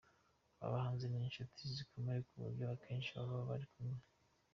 Aba bahanzi ni inshuti zikomeye ku buryo akenshi baba bari kumwe.